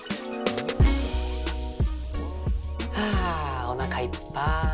はあおなかいっぱい。